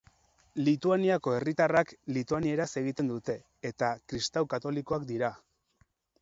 Lituaniako herritarrak, lituanieraz egiten dute eta kristau katolikoak dira.